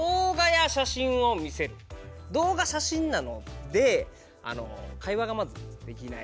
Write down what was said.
動画写真なので会話がまずできない。